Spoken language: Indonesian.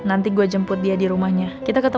nanti gue jemput dia di rumahnya